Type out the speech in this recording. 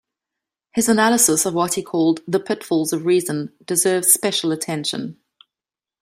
His analysis of what he called “the pitfalls of reason” deserves special attention.